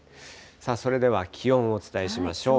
それでは気温をお伝えしましょう。